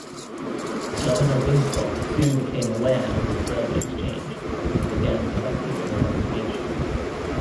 Governor Winthrop soon became aware of this verbal exchange and began conducting an investigation.